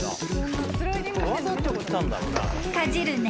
［かじる猫］